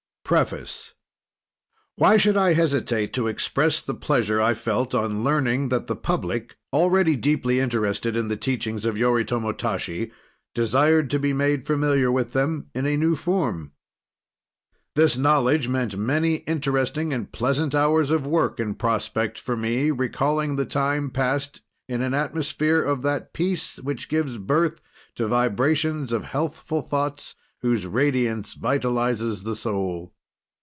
PREFACE Why should I hesitate to express the pleasure I felt on learning that the public, already deeply interested in the teachings of Yoritomo Tashi, desired to be made familiar with them in a new form? This knowledge meant many interesting and pleasant hours of work in prospect for me, recalling the time passed in an atmosphere of that peace which gives birth to vibrations of healthful thoughts whose radiance vitalizes the soul.